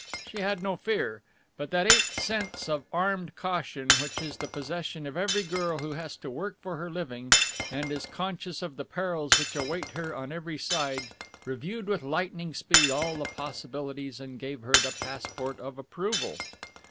She had no fear, but that eighth sense of armed caution, which is the possession of every girl who has to work for her living and is conscious of the perils which await her on every side, reviewed with lightning speed all the possibilities and gave her the passport of approval.